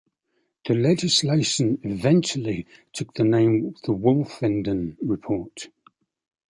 The legislation eventually took the name The Wolfenden Report.